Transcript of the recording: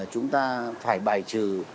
chúng ta phải bài trừ